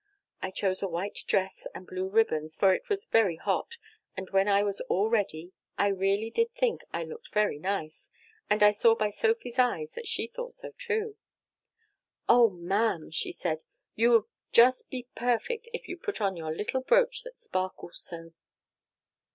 I chose a white dress and blue ribbons, for it was very hot; and when I was all ready, I really did think I looked very nice, and I saw by Sophy's eyes that she thought so too. "'Oh, ma'am,' she said, 'you would just be perfect if you'd put on your little brooch that sparkles so.'